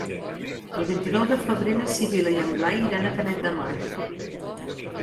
El vint-i-nou de febrer na Sibil·la i en Blai iran a Canet de Mar.